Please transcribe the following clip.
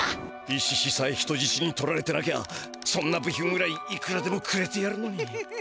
イシシさえ人じちに取られてなきゃそんな部品ぐらいいくらでもくれてやるのに。